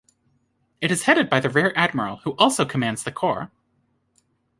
It is headed by the Rear Admiral, who also commands the Corps.